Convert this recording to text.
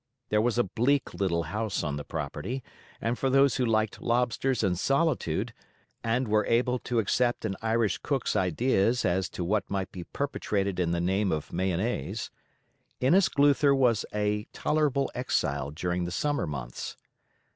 There was a bleak little house on the property, and for those who liked lobsters and solitude, and were able to accept an Irish cook's ideas as to what might be perpetrated in the name of mayonnaise, Innisgluther was a tolerable exile during the summer months.